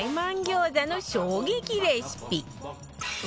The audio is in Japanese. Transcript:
餃子の衝撃レシピ